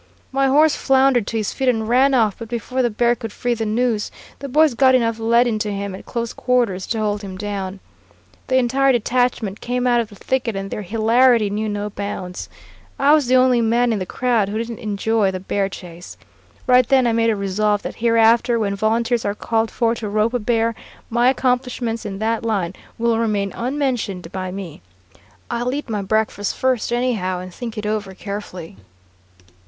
My horse floundered to his feet and ran off, but before the bear could free the noose, the boys got enough lead into him at close quarters to hold him down. The entire detachment came out of the thicket, and their hilarity knew no bounds. I was the only man in the crowd who didn't enjoy the bear chase. Right then I made a resolve that hereafter, when volunteers are called for to rope a bear, my accomplishments in that line will remain unmentioned by me. I'll eat my breakfast first, anyhow, and think it over carefully."